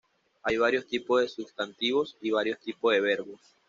Hay varios tipos de "sustantivos" y varios tipos de "verbos".